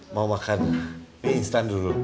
mau makan mie instan dulu